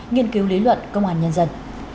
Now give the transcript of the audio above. nghiên cứu lý luận công an nhân dân